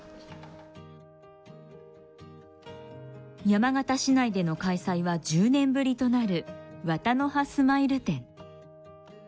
山形市内での開催は１０年ぶりとなるワタノハスマイル展。